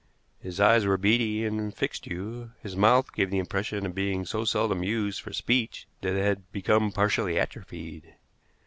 His eyes were beady, and fixed you; his mouth gave the impression of being so seldom used for speech that it had become partially atrophied.